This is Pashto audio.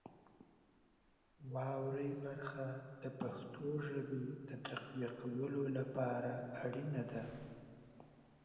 واورئ برخه د پښتو ژبې د تقویه کولو لپاره اړینه ده.